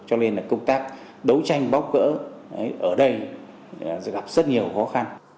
cho nên là công tác đấu tranh bóc gỡ ở đây gặp rất nhiều khó khăn